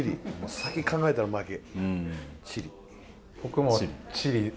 先、考えたら、負け。